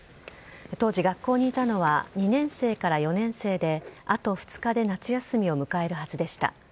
当時、学校にいたのは２年生から４年生であと２日で夏休みを迎えるはずでした。